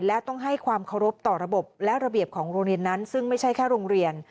และต้องให้ความเคารพต่อระบบและระเบียบของโรงเรียนนั้นซึ่งไม่ใช่แค่โรงเรียน